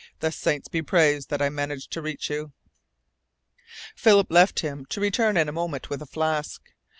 The saints be praised that I managed to reach you!" Philip left him, to return in a moment with a flask.